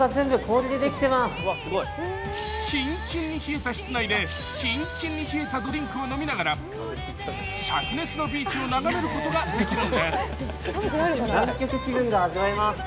キンキンに冷えた室内でキンキンに冷えたドリンクを飲みながらしゃく熱のビーチを眺めることができるんです。